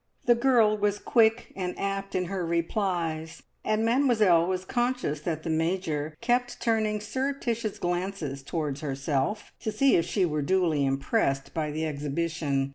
The girl was quick and apt in her replies, and Mademoiselle was conscious that the Major kept turning surreptitious glances towards herself, to see if she were duly impressed by the exhibition.